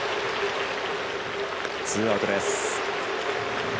ツーアウトです。